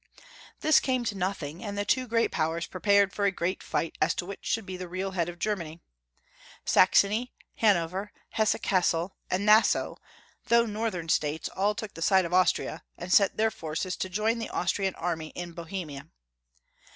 This came to notliing, and the two great Powers prepared for a great fight as to which should be tlie rc;il head of Germany. Saxony, Hanover, Ilesse Ciissel, and Nassau, though northern states, all took the side of Austria, and sent their forces to join the Austrian army in Bohemia.